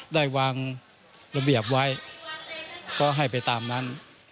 ได้วางระเบียบไว้ก็ให้ไปตามนั้น